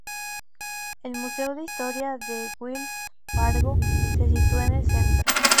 El Museo de Historia de Wells Fargo se sitúa en el centro.